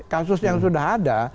kasus yang sudah ada